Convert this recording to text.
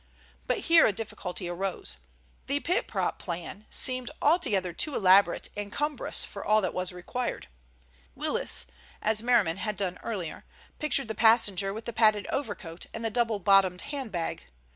But here a difficulty arose. The pit prop plan seemed altogether too elaborate and cumbrous for all that was required. Willis, as Merriman had done earlier, pictured the passenger with the padded overcoat and the double bottomed handbag.